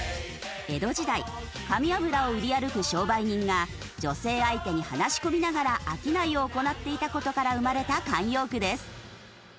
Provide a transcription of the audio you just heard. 江戸時代髪油を売り歩く商売人が女性相手に話し込みながら商いを行っていた事から生まれた慣用句です。